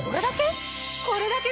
これだけ？